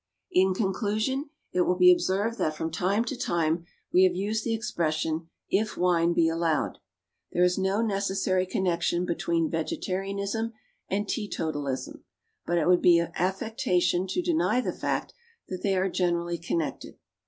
In conclusion, it will be observed that from time to time we have used the expression, "if wine be allowed." There is no necessary connection between vegetarianism and teetotalism, but it would be affectation to deny the fact that they are generally connected.